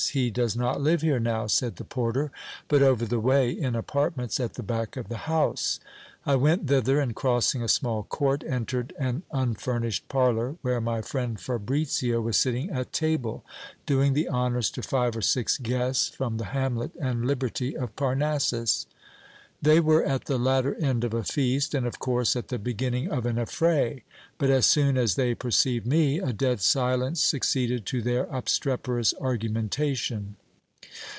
He does not live here now, said the porter, but over the way, in apartments at the back of the house. I went thither, and crossing a small court, entered an un furnished parlour, where my friend Fabricio was sitting at table, doing the honours to five or six guests from the hamlet and liberty of Parnassus. They were at the latter end of a feast, and of course at the beginning of an affray ; but as soon as they perceived me, a dead silence succeeded to their obstreperous argumentation.